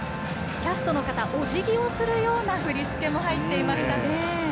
キャストの方おじぎをするような振り付けも入っていました。